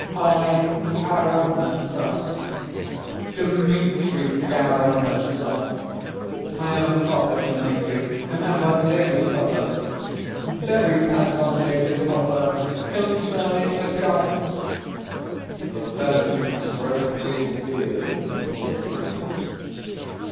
I'm Karamazov, Dmitri Karamazov. I have an offer to make you, an advantageous offer ... very advantageous offer, concerning the copse!" The peasant stroked his beard importantly.